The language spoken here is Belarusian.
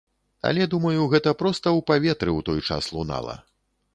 Але думаю, гэта проста ў паветры ў той час лунала.